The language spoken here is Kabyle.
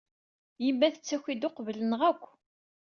Yemma tettaki-d uqbel-nneɣ akk.